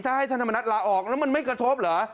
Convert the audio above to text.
ถ้าให้ท่านธรรมนัฐลาออกแล้วมันไม่กระทบเหรอ